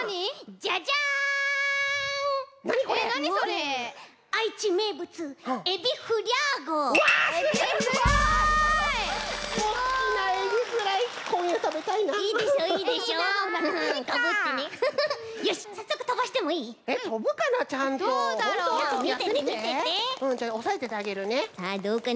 じゃあおさえててあげるね。